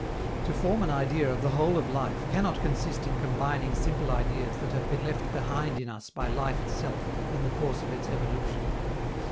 To form an idea of the whole of life cannot consist in combining simple ideas that have been left behind in us by life itself in the course of its evolution.